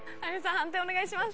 判定お願いします。